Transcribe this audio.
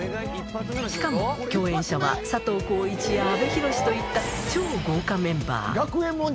しかも、共演者は佐藤浩市や阿部寛といった超豪華メンバー。